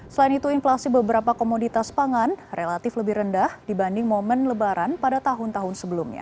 selain itu inflasi beberapa komoditas pangan relatif lebih rendah dibanding momen lebaran pada tahun tahun sebelumnya